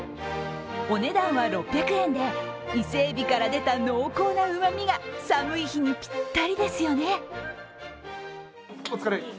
お値段は６００円で、伊勢えびから出た濃厚なうまみが寒い日にぴったりですよね。